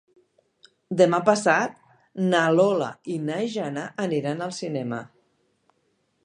Demà passat na Lola i na Jana aniran al cinema.